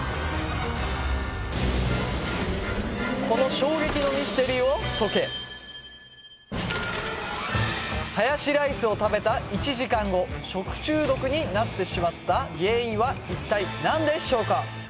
この衝撃のミステリーを解けハヤシライスを食べた１時間後食中毒になってしまった原因は一体何でしょうか？